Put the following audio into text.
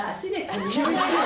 厳しい！